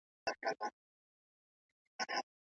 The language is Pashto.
څه ليونى دی بيـا يـې وويـل